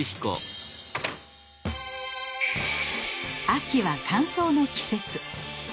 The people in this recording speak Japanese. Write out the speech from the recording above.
秋は乾燥の季節。